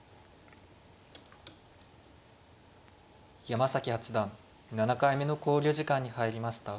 山崎八段７回目の考慮時間に入りました。